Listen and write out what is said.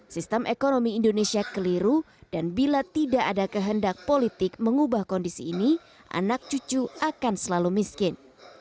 sistem ekonomi indonesia keliru dan bila tidak ada kehendak politik mengubah kondisi ini anak cucu akan selalu miskin